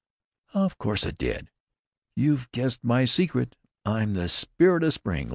"Of course it did. You've guessed my secret. I'm the Spirit of Spring.